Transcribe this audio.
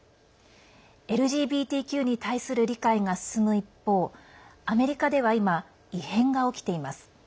ＬＧＢＴＱに対する理解が進む一方アメリカでは今異変が起きています。